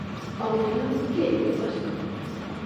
Ao final, ¿que é o que pasa?